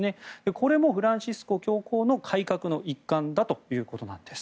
これもフランシスコ教皇の改革の一環だということです。